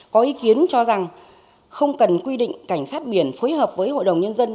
có ý kiến cho rằng không cần quy định cảnh sát biển phối hợp với hội đồng nhân dân